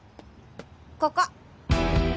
ここ。